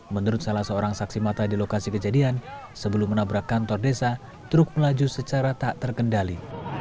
menurut salah seorang saksi mata di lokasi kejadian sebelum menabrak kantor desa truk melaju secara tak terkendali